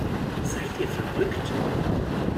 Seid ihr verrückt?